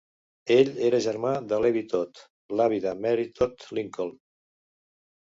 Ell era germà de Levi Todd, l'avi de Mary Todd Lincoln.